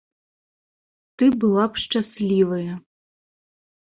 Ты была б шчаслівая.